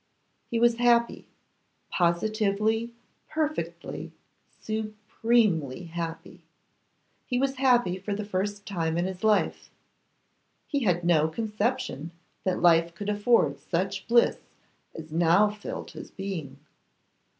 He was happy; positively, perfectly, supremely happy. He was happy for the first time in his life, He had no conception that life could afford such bliss as now filled his being.